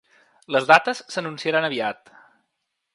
Les dates s’anunciaran aviat.